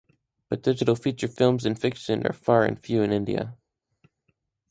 But digital feature films in fiction are far and few in India.